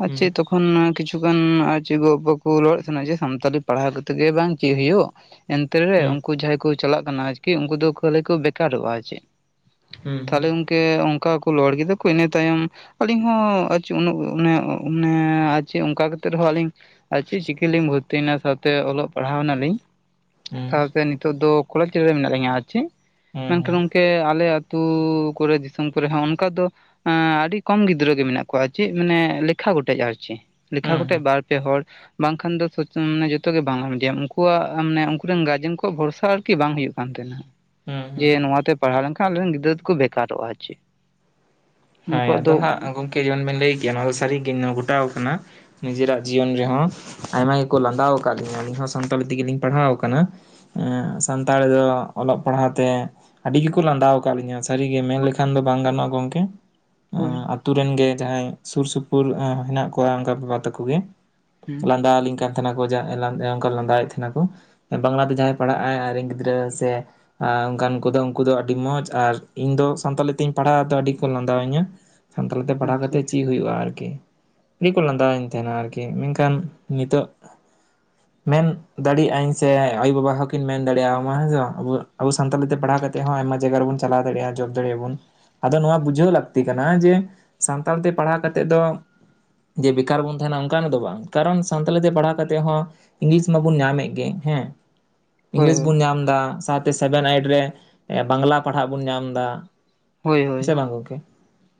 ᱟᱨ ᱦᱩᱸ ᱪᱮᱜ ᱛᱚᱼᱼ ᱠᱷᱚᱱ ᱠᱤᱪᱷᱩ ᱜᱟᱱ ᱟᱨ ᱪᱮᱜ ᱜᱚᱼᱵᱟᱵᱟ ᱠᱚ ᱨᱚᱲᱮᱜ ᱛᱟᱦᱮᱸᱱᱟ ᱡᱮ ᱥᱟᱱᱛᱟᱞᱤ ᱯᱟᱲᱦᱟᱣ ᱠᱟᱛᱮᱜ ᱫᱚᱭᱟ ᱵᱟᱝ ᱪᱮᱜ ᱦᱩᱭᱚᱜ? ᱮᱱᱛᱮ ᱨᱮ ᱦᱩᱸ ᱩᱱᱠᱩ ᱡᱟᱦᱟᱸᱭ ᱠᱚ ᱪᱟᱞᱟᱜ ᱠᱟᱱᱟ ᱟᱨᱠᱤ ᱩᱱᱠᱩ ᱫᱚ ᱠᱷᱟᱹᱞᱤ ᱠᱚ ᱵᱮᱠᱟᱨᱚᱜᱼᱟ ᱟᱨ ᱪᱮᱜᱼᱼ ᱛᱟᱦᱞᱮ ᱦᱩᱸ ᱜᱚᱝᱠᱮ ᱚᱱᱠᱟ ᱠᱚ ᱨᱚᱲ ᱠᱮᱫᱟ ᱠᱚ ᱤᱱᱟᱹ ᱛᱟᱭᱚᱢᱼᱼ ᱟᱞᱤᱸᱧ ᱦᱚᱸ ᱪᱮᱜ ᱩᱱᱟᱹᱜ ᱢᱟᱱᱮ ᱢᱟᱱᱮ ᱟᱨ ᱪᱮᱜ ᱚᱱᱠᱟ ᱠᱟᱛᱮᱜ ᱨᱮᱦᱚᱸ ᱟᱹᱞᱤᱧᱼᱼ ᱟᱨ ᱪᱮᱜ ᱪᱤᱠᱟᱹ ᱞᱤᱧ ᱵᱷᱩᱨᱛᱤᱭᱮᱱᱟ ᱥᱟᱼᱼ ᱛᱮ ᱚᱞᱚᱜ ᱯᱟᱲᱦᱟᱣᱮᱱᱟ ᱞᱤᱧ ᱦᱩᱸ ᱥᱟᱶᱛᱮ ᱱᱤᱛᱚᱜ ᱫᱚ ᱠᱚᱞᱮᱪ ᱨᱮ ᱢᱮᱱᱟᱜ ᱞᱤᱧᱟ ᱟᱨ ᱪᱮᱜᱼᱼ ᱦᱩᱸ ᱢᱮᱱᱠᱷᱟᱱ ᱦᱩᱸ ᱜᱚᱝᱠᱮ ᱟᱞᱮ ᱟᱹᱛᱩ ᱠᱚᱨᱮ ᱫᱤᱥᱚᱢ ᱠᱚᱨᱮ ᱦᱚᱸ ᱚᱱᱠᱟ ᱫᱚ ᱟᱸ ᱟᱹᱰᱤ ᱠᱚᱢ ᱜᱤᱫᱽᱨᱟᱹᱜ ᱜᱮ ᱢᱮᱱᱟᱜ ᱠᱚᱣᱟ ᱪᱮᱜ ᱢᱟᱱᱮ ᱞᱮᱠᱷᱟ ᱜᱚᱴᱮᱡ ᱟᱨ ᱪᱮᱼᱼ ᱞᱮᱠᱷᱟ ᱦᱩᱸ ᱠᱚᱴᱮᱡ ᱦᱩᱸ ᱵᱟᱨ ᱯᱮ ᱦᱚᱲ ᱵᱟᱝᱠᱷᱟᱱ ᱫᱚ *unintelligible* ᱡᱚᱛᱚ ᱜᱮ ᱵᱟᱝᱞᱟ ᱢᱤᱰᱤᱭᱟᱢ ᱩᱱᱠᱩᱣᱟᱜ ᱢᱟᱱᱮ ᱩᱱᱠᱩᱨᱤᱱ ᱜᱟᱨᱡᱮᱱ ᱠᱚᱣᱟᱜ ᱵᱷᱚᱨᱥᱟ ᱟᱨᱠᱤ ᱵᱟᱝ ᱦᱩᱭᱩᱜ ᱠᱟᱱ ᱛᱟᱦᱮᱱᱟ᱾ ᱦᱩᱸ ᱡᱮ ᱦᱩᱸ ᱱᱚᱣᱟᱛᱮ ᱯᱟᱲᱦᱟᱣ ᱞᱮᱱᱠᱷᱟᱱ ᱟᱞᱮᱨᱮᱱ ᱜᱤᱫᱽᱨᱟᱹ ᱫᱚᱠᱚ ᱵᱮᱠᱟᱨᱚᱜᱼᱟ ᱟᱨ ᱪᱮᱜᱼᱼ ᱦᱚᱭ ᱟᱫᱚ ᱦᱟᱜ ᱜᱚᱝᱠᱮ ᱡᱮᱢᱚᱱ ᱵᱮᱱ ᱞᱟᱹᱭ ᱠᱮᱭᱟ ᱱᱚᱣᱟ ᱫᱚ ᱥᱟᱹᱨᱤᱜᱮ ᱜᱷᱚᱴᱟᱣ ᱟᱠᱟᱱᱟ᱾ ᱱᱤᱡᱮᱨᱟᱜ ᱡᱤᱭᱚᱱ ᱨᱮᱦᱚᱸ ᱟᱭᱢᱟ ᱜᱮᱠᱚ ᱞᱟᱸᱫᱟᱣ ᱟᱠᱟᱜ ᱞᱤᱧᱟ ᱟᱹᱞᱤᱧ ᱦᱚᱸ ᱥᱟᱱᱛᱟᱞᱤ ᱛᱮᱜᱮ ᱞᱤᱧ ᱯᱟᱲᱦᱟᱣ ᱟᱠᱟᱱᱟ᱾ ᱮᱸ ᱥᱟᱱᱛᱟᱲᱤ ᱫᱚ ᱚᱞᱚᱜ ᱯᱟᱲᱦᱟᱣ ᱛᱮᱼᱼ ᱟᱹᱰᱤ ᱜᱮᱠᱚ ᱞᱟᱸᱫᱟᱟᱣ ᱟᱠᱟᱜ ᱞᱤᱧᱟ ᱥᱟᱹᱨᱤ ᱜᱮ ᱢᱮᱱ ᱞᱮᱠᱷᱟᱱ ᱫᱚ ᱵᱟᱝ ᱜᱟᱱᱚᱜᱼᱟ ᱜᱚᱝᱠᱮ ᱾ ᱦᱚᱭ ᱟᱹᱛᱩ ᱨᱮᱱ ᱜᱮ ᱡᱟᱦᱟᱸᱭ ᱥᱩᱨ ᱥᱩᱯᱩᱨ ᱮᱸ ᱦᱮᱱᱟᱜ ᱠᱚᱣᱟ ᱚᱱᱠᱟ ᱵᱟᱵᱟ ᱛᱟᱠᱚ ᱜᱮ ᱦᱩᱸ ᱞᱟᱸᱫᱟ ᱟᱞᱤᱧ ᱠᱟᱱᱼᱼ ᱛᱟᱦᱮᱱᱟ ᱠᱚ ᱡᱟ ᱚᱱᱠᱟ ᱞᱟᱸᱫᱟᱭᱮᱜ ᱛᱟᱦᱮᱱᱟ ᱠᱚ ᱵᱟᱝᱞᱟ ᱛᱮ ᱡᱟᱦᱟᱸᱭ ᱯᱟᱲᱦᱟᱜ ᱟᱭ ᱟᱭᱨᱤᱱ ᱜᱤᱫᱽᱨᱟᱹ ᱥᱮᱼᱼ ᱟᱨ ᱚᱱᱠᱟᱱ ᱠᱚᱫᱚ ᱩᱱᱠᱩ ᱫᱚ ᱟᱹᱰᱤ ᱢᱚᱸᱡᱽ ᱟᱨ ᱤᱧ ᱫᱚ ᱥᱟᱱᱛᱟᱞᱤ ᱛᱤᱧ ᱯᱟᱲᱦᱟᱣᱟ ᱛᱚ ᱟᱹᱰᱤ ᱠᱚ ᱞᱟᱸᱫᱟᱼᱼ ᱢᱮᱛᱟᱣ ᱤᱧᱟᱹ ᱥᱟᱱᱛᱟᱞᱤ ᱛᱮ ᱯᱟᱲᱦᱟᱣ ᱟᱪᱪᱷᱟ ᱠᱟᱛᱮ ᱪᱮᱜ ᱦᱩᱭᱩᱜᱼᱟ ᱟᱨᱠᱤᱼᱼ ᱟᱹᱰᱤ ᱠᱚ ᱞᱟᱸᱫᱟᱣᱤᱧ ᱛᱟᱸᱦᱮᱱᱟ ᱟᱨᱠᱤ ᱢᱮᱱᱠᱷᱟᱱ ᱱᱤᱸᱛᱚᱜᱼᱼ *inaudible* ᱢᱮᱱ ᱫᱟᱲᱮᱭᱟᱜ ᱟᱹᱧ ᱥᱮ ᱟᱭᱳᱼᱵᱟᱵᱟ ᱢᱮᱱ ᱫᱟᱲᱮᱭᱟᱜ ᱤᱧ ᱥᱮ ᱟᱭᱚ ᱵᱟᱵᱟ ᱦᱚᱸᱠᱤᱱ ᱢᱮᱱ ᱫᱟᱲᱮᱭᱟ ᱟᱧ ᱥᱮ ᱟᱭᱩ ᱵᱟᱵᱟ ᱦᱚᱸ ᱠᱤᱧ ᱢᱮᱱ ᱫᱟᱲᱮᱭᱟᱢᱟ ᱦᱮᱸ ᱥᱮ ᱟᱵᱚ ᱥᱟᱱᱛᱟᱞᱤ ᱛᱮ ᱯᱟᱲᱦᱟᱣ ᱠᱟᱛᱼᱼ ᱠᱟᱛᱮ ᱦᱚᱸ ᱟᱭᱢᱟ ᱡᱟᱜᱟ ᱨᱮ ᱵᱚᱱ ᱪᱟᱞᱟᱣ ᱫᱟᱲᱭᱟᱜᱼᱟ, ᱡᱚᱵ ᱫᱟᱲᱮᱭᱟᱜ ᱵᱚᱱ ᱟᱫᱚ ᱱᱚᱸᱣᱟ ᱵᱩᱡᱷᱟᱹᱣ ᱞᱟᱜ *unintelligible* ᱛᱮᱼ ᱞᱟᱹᱠᱛᱤ ᱠᱟᱱᱟ ᱡᱮ ᱥᱟᱱᱛᱟᱲ ᱛᱮ ᱯᱟᱲᱦᱟᱣ ᱠᱟᱛᱮᱜ ᱫᱚᱼᱼ ᱡᱮ ᱵᱮᱠᱟᱨ ᱵᱚᱱ ᱛᱟᱦᱮᱱᱟ ᱚᱱᱠᱟᱱᱟᱜ ᱫᱚ ᱵᱟᱝ ᱠᱟᱨᱚᱱ ᱥᱟᱱᱛᱟᱞᱤ ᱛᱮ ᱯᱟᱲᱦᱟᱣ ᱠᱟᱛᱮᱫ ᱦᱚᱸᱼᱼ ᱤᱝᱞᱤᱥ ᱢᱟᱵᱚᱱ ᱧᱟᱢᱮᱫ ᱜᱮ ᱦᱮᱸᱼᱼ ᱦᱳᱭ ᱤᱝᱞᱤᱥ ᱦᱳᱭ ᱵᱚᱱ ᱧᱟᱢ ᱫᱟ ᱥᱟᱶᱛᱮ ᱥᱮᱵᱷᱮᱱ ᱮᱭᱤᱴ ᱨᱮ ᱵᱟᱝᱞᱟ ᱯᱟᱲᱦᱟᱜ ᱵᱚᱱ ᱧᱟᱢ ᱫᱟ ᱾ ᱦᱳᱭ ᱦᱳᱭ,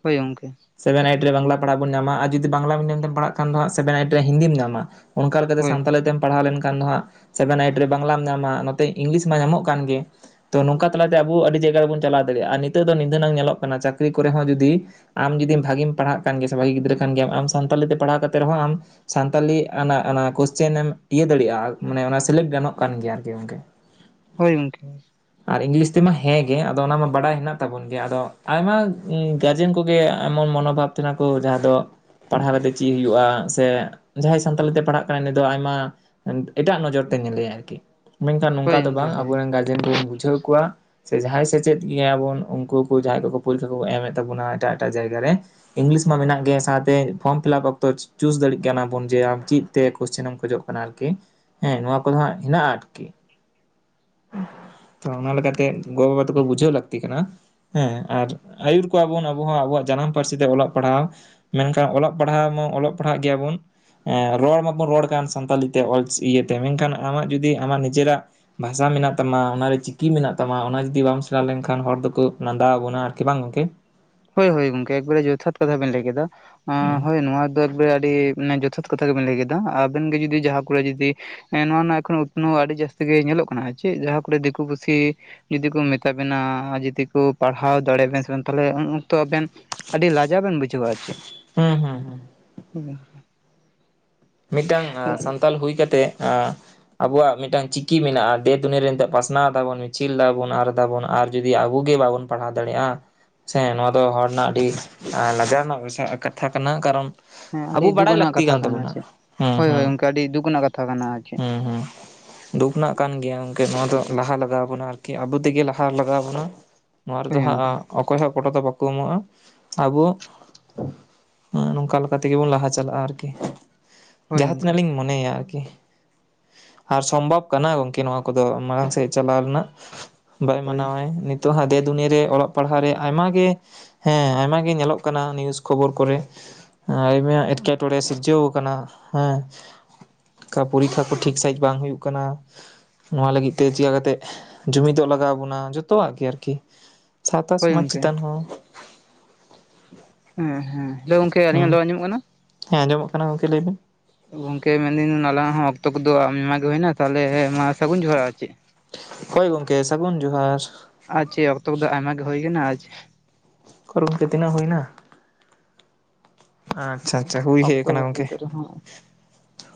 ᱦᱳᱭ ᱜᱚᱝᱠᱮ᱾ ᱥᱮᱵᱮᱱ ᱟᱹᱭᱤᱴ ᱨᱮ ᱵᱟᱝᱜᱽᱟᱞᱟ ᱯᱟᱲᱦᱟᱜ ᱵᱚᱱ ᱧᱟᱢᱟ ᱟᱨ ᱡᱩᱫᱤ ᱵᱟᱝᱜᱽᱟᱞᱟ ᱢᱤᱰᱤᱭᱟᱢ ᱛᱮᱢ ᱯᱟᱲᱦᱟᱜ ᱠᱷᱟᱱ ᱦᱟᱸᱜ ᱥᱮᱵᱮᱱ ᱟᱹᱭᱤᱴ ᱨᱮ ᱦᱤᱸᱫᱤᱢ ᱧᱟᱢᱟ, ᱚᱱᱠᱟ ᱞᱮᱠᱟᱛᱮ ᱦᱳᱭ ᱥᱟᱱᱛᱟᱞᱤ ᱛᱮᱢ ᱯᱟᱲᱦᱟᱣ ᱞᱮᱱᱠᱷᱟᱱ ᱫᱚ ᱦᱟᱸᱜ ᱥᱮᱵᱮᱱ ᱟᱹᱭᱤᱴ ᱨᱮ ᱵᱟᱝᱜᱽᱞᱟᱢ ᱧᱟᱢᱟ ᱱᱚᱛᱮ ᱤᱝᱜᱽᱞᱤᱥ ᱢᱟ ᱧᱟᱢᱚᱜ ᱠᱟᱱ ᱜᱮ, ᱛᱚ ᱱᱚᱝᱠᱟ ᱛᱟᱞᱟᱛᱮ ᱟᱵᱚ ᱟᱹᱰᱤ ᱡᱟᱭᱜᱟ ᱨᱮᱵᱚᱱ ᱪᱟᱞᱟᱣ ᱫᱟᱹᱲᱮᱭᱟᱜᱼᱟ ᱟᱨ ᱱᱤᱛᱚᱜ ᱫᱚ ᱱᱤᱫᱟᱹᱱᱟᱝ ᱧᱮᱞᱚᱜ ᱠᱟᱱᱟ ᱪᱟᱹᱠᱨᱤ ᱠᱚᱨᱮ ᱦᱚᱸ ᱡᱩᱫᱤ ᱟᱢ ᱡᱩᱫᱤ ᱵᱷᱟᱹᱜᱮᱢ ᱯᱟᱲᱦᱟᱜ ᱠᱟᱱ ᱜᱮᱭᱟ ᱥᱮ ᱵᱷᱟᱹᱜᱤ ᱜᱤᱫᱽᱨᱟᱹ ᱠᱟᱱ ᱜᱮᱭᱟᱢ ᱟᱢ ᱥᱟᱱᱛᱟᱞᱤ ᱛᱮ ᱯᱟᱲᱦᱟᱣ ᱠᱟᱛᱮ ᱨᱮᱦᱚᱸ ᱟᱢ ᱥᱟᱱᱛᱟᱞᱤ ᱟᱱᱟ ᱟᱱᱟ ᱠᱚᱥᱪᱮᱱ ᱮᱢ ᱤᱭᱟᱹ ᱫᱟᱲᱮᱭᱟᱜᱼᱟ, ᱟ ᱢᱟᱱᱮ ᱚᱱᱟ ᱥᱮᱞᱮᱫ ᱜᱟᱱᱚᱜ ᱠᱟᱱ ᱜᱮᱭᱟ ᱟᱨᱠᱤ ᱜᱚᱝᱠᱮ᱾ *unintelligible* ᱦᱳᱭ ᱜᱚᱝᱠᱮ, ᱟᱨ ᱤᱸᱜᱽᱞᱤᱥ ᱛᱮᱢᱟ ᱦᱮᱸ ᱜᱮ ᱟᱫᱚ ᱚᱱᱟ ᱢᱟ ᱵᱟᱰᱟᱭ ᱦᱮᱸᱱᱟᱜ ᱛᱟᱵᱚᱱ ᱜᱮᱭᱟ ᱟᱫᱚ ᱟᱭᱢᱟ ᱮᱸ ᱜᱟᱨᱡᱮᱱ ᱠᱚᱜᱮ ᱮᱢᱚ ᱢᱚᱱᱳ ᱵᱷᱟᱵᱽ ᱛᱮ ᱱᱷᱟᱸᱜ ᱠᱚ ᱡᱟᱦᱟᱸ ᱫᱚ ᱯᱟᱲᱦᱟᱣ ᱟᱛᱮ ᱪᱮᱜ ᱦᱩᱭᱩᱜᱼᱟ, ᱥᱮ ᱡᱟᱦᱟᱸᱭ ᱥᱟᱱᱛᱟᱞᱤ ᱛᱮ ᱯᱟᱲᱦᱟᱜ ᱠᱟᱱᱟᱭ ᱩᱱᱤ ᱫᱚ ᱟᱭᱢᱟ ᱮᱸ ᱮᱴᱟᱜ ᱱᱚᱡᱚᱨ ᱛᱮ ᱧᱮᱞᱮᱭᱟ ᱟᱨᱠᱤ᱾ ᱢᱮᱝ ᱠᱷᱟᱱ ᱦᱳᱭ ᱱᱚᱝᱠᱟ ᱫᱚ ᱜᱚᱝᱠᱮ ᱵᱟᱝ ᱟᱵᱚ ᱦᱳᱭ ᱨᱤᱱ ᱜᱟᱨ- ᱡᱮᱱ ᱠᱚᱵᱚᱱ ᱵᱩᱡᱷᱟᱹᱣ ᱠᱚᱣᱟ ᱥᱮ ᱡᱟᱦᱟᱸᱭ ᱥᱮᱪᱮᱫ ᱜᱮᱭᱟ ᱵᱚᱱ ᱩᱱᱠᱩ ᱠᱚ ᱡᱟᱦᱟᱸᱭ ᱠᱚᱠᱚ ᱯᱩᱭᱞᱩ ᱛᱮ ᱠᱚ ᱮᱢᱮᱫ ᱛᱟᱵᱚᱱᱟ ᱮᱴᱟᱜ ᱮᱴᱟᱜ ᱡᱟᱭᱜᱟ ᱨᱮ ᱤᱸᱜᱽᱞᱤᱥ ᱢᱟ ᱢᱮᱱᱟᱜ ᱜᱮ ᱥᱟᱶᱛᱮ ᱯᱷᱚᱸᱢ ᱯᱷᱤᱞᱟᱯ ᱚᱠᱛᱚᱪ- ᱪᱩᱥ ᱫᱟᱹᱲᱤᱜ ᱠᱟᱱᱟ ᱵᱚᱱ ᱡᱮ ᱟᱢ ᱪᱤᱫ ᱛᱮ ᱠᱚᱥᱪᱟᱱ ᱮᱢ ᱠᱷᱚᱡᱚᱜ ᱠᱟᱱᱟ ᱟᱨᱠᱤ, ᱦᱮᱸ ᱱᱚᱣᱟ ᱠᱚᱫᱚ ᱦᱟᱸᱜ ᱦᱮᱸᱱᱟᱜᱼᱟ ᱟᱨᱠᱤ᱾ *unintelligible* ᱛᱚ ᱚᱱᱟ ᱞᱮᱠᱟᱛᱮᱫ ᱜᱚ ᱵᱟᱵᱟ ᱛᱮᱠᱚ ᱵᱩᱡᱷᱟᱹᱣ ᱞᱟᱹᱠᱛᱤ ᱠᱟᱱᱟ, ᱦᱮᱸ ᱟᱨ ᱟᱹᱭᱩᱨ ᱠᱚᱣᱟᱵᱚᱱ ᱟᱵᱚ ᱟᱵᱚᱣᱟᱜ ᱡᱟᱱᱟᱢ ᱯᱟᱹᱨᱥᱤ ᱛᱮ ᱚᱞᱚᱜ ᱯᱟᱲᱦᱟᱣ, ᱢᱮᱱᱠᱷᱟᱱ ᱚᱞᱚᱜ ᱯᱟᱲᱦᱟᱣ ᱢᱟ ᱚᱞᱚᱜ ᱯᱟᱲᱦᱟᱜ ᱜᱮᱭᱟᱵᱚᱱ ᱮᱸ ᱨᱚᱲ ᱢᱟᱵᱚᱱ ᱨᱚᱲ ᱠᱟᱱ ᱥᱟᱱᱛᱟᱞᱤ ᱛᱮ ᱚᱞ ᱪᱤ ᱤᱭᱟᱹᱛᱮ ᱢᱮᱝᱠᱷᱟᱱ ᱟᱢᱟᱜ ᱡᱩᱫᱤ ᱟᱢᱟᱜ ᱱᱤᱡᱟᱹᱨᱟᱜ ᱵᱷᱟᱥᱟ ᱢᱮᱱᱟᱜ ᱛᱟᱢᱟ, ᱚᱱᱟᱨᱮ ᱪᱤᱠᱤ ᱢᱮᱱᱟᱜ ᱛᱟᱢᱟ, ᱚᱱᱟ ᱡᱩᱫᱤ ᱵᱟᱢ ᱥᱮᱬᱟ ᱞᱮᱱᱠᱷᱟᱱ ᱦᱚᱲ ᱫᱚᱠᱚ ᱞᱟᱸᱫᱟ ᱦᱟᱵᱚᱱᱟ ᱟᱨᱠᱤ ᱵᱟᱝ ᱜᱚᱝᱠᱮ? ᱦᱳᱭ ᱦᱳᱭ ᱜᱚᱝᱠᱮ ᱮᱠ ᱵᱟᱨᱮ ᱡᱚᱛᱷᱟᱛ ᱠᱟᱛᱷᱟ ᱵᱮᱱ ᱞᱟᱹᱭ ᱠᱮᱫᱟ, ᱟᱸ ᱦᱩᱸ ᱦᱳᱭ ᱱᱚᱣᱟ ᱫᱚ ᱮᱠ ᱵᱟᱨᱮ ᱟᱹᱰᱤ ᱢᱟᱱᱮ ᱡᱚᱛᱷᱟᱛ ᱠᱟᱛᱷᱟ ᱜᱮᱵᱮᱱ ᱞᱟᱹᱭ ᱠᱮᱫᱟ, ᱟᱵᱮᱱ ᱜᱮ ᱡᱩᱫᱤ ᱡᱟᱦᱟᱸ ᱠᱚᱨᱮ ᱡᱩᱫᱤ ᱮᱸ ᱱᱚᱶᱟ ᱱᱚᱶᱟ ᱮᱠᱷᱚᱱ ᱩᱛᱷᱱᱟᱹᱣ ᱟᱹᱰᱤ ᱡᱟᱹᱥᱛᱤ ᱜᱮ ᱧᱮᱞᱚᱜ ᱠᱟᱱᱟ, ᱦᱮᱸ ᱪᱮᱜ ᱡᱟᱦᱟᱸ ᱠᱚᱨᱮ ᱫᱤᱠᱩ ᱯᱩᱥᱤ ᱡᱩᱫᱤ ᱠᱚ ᱢᱮᱛᱟ ᱵᱤᱱᱼᱟ, ᱡᱩᱫᱤ ᱠᱚ ᱯᱟᱲᱦᱟᱣ ᱫᱟᱲᱮ ᱵᱮᱱ ᱥᱮ ᱛᱟᱦᱚᱞᱮ ᱩᱱ ᱩᱱ ᱛᱚ ᱟᱵᱮᱱ ᱟᱹᱰᱤ ᱞᱟᱡᱟᱣ ᱵᱮᱱ ᱵᱩᱡᱷᱟᱹᱣᱟ ᱟᱨ ᱪᱮᱫ, ᱦᱩᱸ ᱦᱩᱸ *unintelligible* ᱢᱤᱫᱴᱟᱝ ᱟᱸ ᱥᱟᱸᱛᱟᱞ ᱦᱩᱭ ᱠᱟᱛᱮᱜ ᱟᱸ ᱟᱵᱚᱣᱟᱜ ᱢᱤᱫᱴᱟᱝ ᱪᱤᱠᱤ ᱢᱮᱱᱟᱜᱼᱟ ᱫᱮᱼ ᱫᱩᱱᱤᱭᱟᱹ ᱨᱮ ᱱᱤᱛᱚᱜ ᱯᱟᱥᱱᱟᱣ ᱮᱫᱟ ᱵᱚᱱ ᱢᱤᱪᱷᱤᱞ ᱮᱫᱟ ᱵᱚᱱ ᱟᱨ ᱮᱫᱟ ᱵᱚᱱ ᱟᱨ ᱡᱩᱫᱤ ᱟᱵᱚ ᱜᱮ ᱵᱟᱵᱚᱱ ᱯᱟᱲᱦᱟᱣ ᱫᱟᱲᱮᱜᱼᱟ, ᱥᱮ ᱱᱚᱣᱟ ᱫᱚ ᱦᱚᱲ ᱨᱮᱱᱟᱜ ᱟᱹᱰᱤ ᱮᱸ ᱞᱟᱡᱟᱣ ᱨᱮᱱᱟᱜ ᱵᱤᱥᱚᱭ ᱟᱸ ᱠᱟᱛᱷᱟ ᱠᱟᱱᱟ, ᱠᱟᱨᱚᱱ ᱦᱮᱸ ᱟᱵᱩ ᱟᱹᱰᱤ ᱫᱩᱠ ᱵᱟᱰᱟᱭ ᱟᱱᱟᱜ ᱞᱟᱹᱠᱛᱤ ᱠᱟᱛᱷᱟ ᱠᱟᱱ ᱠᱟᱱᱟ ᱛᱟᱵᱚᱱᱟ, ᱪᱮᱫ ᱦᱩᱸ ᱦᱳᱭ ᱦᱳᱭ ᱦᱩᱸ ᱜᱚᱝᱠᱮ ᱟᱹᱰᱤ ᱫᱩᱠ ᱨᱮᱱᱟᱜ ᱠᱟᱛᱷᱟ ᱠᱟᱱᱟ ᱟᱨ ᱪᱮᱫ? ᱦᱩᱸ ᱦᱩᱸ ᱫᱩᱠ ᱨᱮᱱᱟᱜ ᱠᱟᱱ ᱜᱮᱭᱟ ᱜᱚᱝᱠᱮ ᱱᱚᱣᱟ ᱫᱚ ᱞᱟᱦᱟ ᱞᱟᱜᱟᱣᱟᱵᱚᱱᱟ ᱟᱨᱠᱤ ᱟᱵᱚ ᱛᱮᱜᱮ ᱞᱟᱦᱟ ᱞᱟᱜᱟᱣᱟᱵᱚᱱᱟ᱾ ᱱᱚᱣᱟ ᱦᱳᱭ ᱨᱮᱫᱚ ᱜᱚᱝᱠᱮ ᱦᱟᱸᱜ ᱚᱠᱚᱭ ᱦᱚᱸ ᱜᱚᱰᱚ ᱫᱚ ᱵᱟᱠᱚ ᱮᱢᱚᱜᱼᱟ, ᱟᱵᱚ ᱦᱩᱸ ᱱᱚᱝᱠᱟ ᱞᱮᱠᱟ ᱛᱮᱜᱮ ᱵᱚᱱ ᱞᱟᱦᱟ ᱪᱟᱞᱟᱜᱼᱟ ᱟᱨᱠᱤ᱾ ᱦᱳᱭ ᱡᱟᱦᱟᱸ ᱜᱚᱝᱠᱮ ᱛᱤᱱᱟᱹᱜ ᱞᱤᱧ ᱢᱚᱱᱮᱭᱟ ᱟᱨᱠᱤ ᱟᱨ ᱥᱚᱢᱵᱷᱟᱵ ᱠᱟᱱᱟ ᱜᱚᱝᱠᱮ ᱱᱚᱣᱟ ᱠᱚᱫᱚ ᱢᱟᱲᱟᱝ ᱥᱮᱫ ᱪᱟᱞᱟᱣ ᱨᱮᱱᱟᱜ᱾ ᱵᱟᱭ ᱦᱳᱭ ᱢᱟᱱᱟᱶᱟᱭ ᱱᱤᱛᱚᱜ ᱦᱟᱸᱜ ᱫᱮ ᱫᱩᱱᱤᱭᱟᱹ ᱨᱮ ᱚᱞᱚᱜ ᱯᱟᱲᱦᱟᱜ ᱨᱮ ᱟᱭᱢᱟ ᱜᱮ ᱦᱮᱸ ᱟᱭᱢᱟ ᱜᱮ ᱧᱮᱞᱚᱜ ᱠᱟᱱᱟ ᱱᱤᱭᱩᱥ ᱠᱷᱚᱵᱚᱨ ᱠᱚᱨᱮ, ᱮᱸ ᱟᱹᱭ ᱢᱮᱭᱟ ᱮᱴᱠᱮ ᱴᱚᱬᱮ ᱥᱤᱨᱡᱟᱹᱣ ᱠᱟᱱᱟ, ᱦᱮᱸ ᱠᱷᱟ ᱯᱚᱨᱤᱠᱷᱟ ᱠᱚ ᱴᱷᱤᱠ ᱥᱟᱺᱦᱤᱡ ᱵᱟᱝ ᱦᱩᱭᱩᱜ ᱠᱟᱱᱟ, ᱱᱚᱣᱟ ᱞᱟᱹᱜᱤᱫ ᱛᱮ ᱪᱮᱠᱟ ᱠᱟᱛᱮᱜ ᱡᱩᱢᱤᱫᱚᱜ ᱞᱟᱜᱟᱣᱟᱵᱚᱱᱟ ᱡᱚᱛᱚᱣᱟᱜ ᱠᱤ ᱟᱨᱠᱤ᱾ ᱥᱟᱶᱛᱟ ᱦᱳᱭ ᱥᱚᱢᱟᱪ ᱜᱚᱝᱠᱮ ᱪᱮᱛᱟᱱ ᱦᱚᱸ, ᱦᱮᱸ ᱦᱮᱸ ᱦᱮᱞᱳ ᱜᱚᱝᱠᱮ ᱟᱹᱞᱤᱧᱟᱜ ᱦᱩᱸ ᱞᱚ ᱟᱸᱡᱽᱚᱼᱢᱚᱜ ᱠᱟᱱᱟ? ᱦᱮᱸ ᱟᱸᱡᱽᱚᱼᱢᱚᱜ ᱠᱟᱱᱟ ᱜᱚᱝᱠᱮ, ᱞᱟᱹᱭ ᱵᱤᱱ? ᱜᱚᱝᱠᱮ ᱢᱮᱱ ᱤᱱᱟᱹᱧ ᱦᱩᱱᱟᱝ ᱟᱞᱟᱝ ᱦᱚᱸ ᱚᱠᱛᱚ ᱠᱚᱫᱚ ᱟᱭᱢᱟ ᱜᱮ ᱦᱩᱭ ᱮᱱᱟ ᱛᱟᱦᱮᱞᱮ ᱢᱟ ᱥᱟᱹᱜᱩᱱ ᱡᱚᱦᱟᱨ ᱟᱨ ᱪᱮᱫ? ᱦᱳᱭ ᱜᱚᱝᱠᱮ ᱥᱟᱹᱜᱩᱱ ᱡᱚᱦᱟᱨ᱾ ᱟᱨᱪᱮ ᱚᱠᱛᱚ ᱠᱚᱫᱚ ᱟᱭᱢᱟ ᱜᱮ ᱦᱩᱭ ᱟᱠᱟᱱᱟ ᱟᱨ ᱜᱚᱝᱠᱮ ᱛᱤᱱᱟᱹᱜ ᱦᱩᱭᱱᱟ ᱟᱪᱪᱷᱟ ᱟᱪᱪᱷᱟ ᱦᱩᱭ ᱦᱮᱡ ᱚᱠᱛᱚ ᱟᱠᱟᱱᱟ ᱜᱚᱝᱠᱮ ᱠᱟᱛᱮ ᱨᱮᱦᱚᱸ